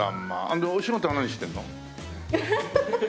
でお仕事は何してるの？ハハハ。